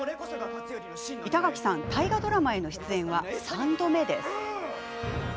板垣さん、大河ドラマへの出演は３度目です。